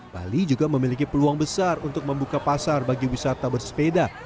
bali juga memiliki peluang besar untuk membuka pasar bagi wisata bersepeda